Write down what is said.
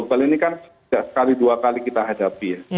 global ini kan tidak sekali dua kali kita hadapi ya